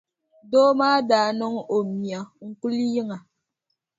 Doo maa daa niŋ o mia n-kuli yiŋa.